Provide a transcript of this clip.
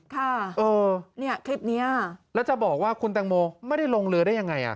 ค่ะเออเนี่ยคลิปนี้แล้วจะบอกว่าคุณแตงโมไม่ได้ลงเรือได้ยังไงอ่ะ